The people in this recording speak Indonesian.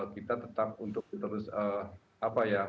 kita tetap untuk terus apa ya